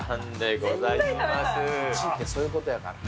１位ってそういうことやから。